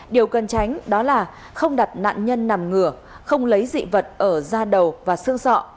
điều cần tránh đó là không đặt nạn nhân nằm ngửa không lấy dị vật ở da đầu và xương sọ